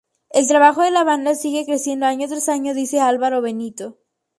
El trabajo de la banda sigue creciendo año tras año, dice Álvaro Benito.